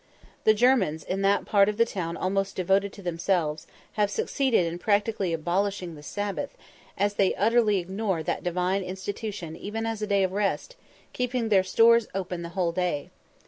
The Germans, in that part of the town almost devoted to themselves, have succeeded in practically abolishing the Sabbath, as they utterly ignore that divine institution even as a day of rest, keeping their stores open the whole day.